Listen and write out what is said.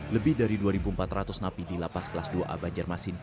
lebih dari dua empat ratus napi di lapas kelas dua a banjarmasin